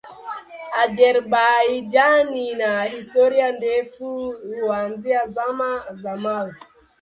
Azerbaijan ina historia ndefu kuanzia Zama za Mawe.